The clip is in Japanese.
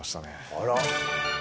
あら。